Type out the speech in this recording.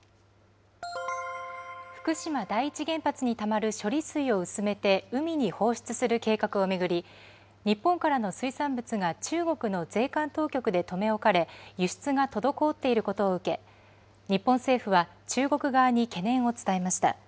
福島第一原発にたまる処理水を薄めて海に放出する計画を巡り、日本からの水産物が中国の税関当局で留め置かれ、輸出が滞っていることを受け、日本政府は、中国側に懸念を伝えました。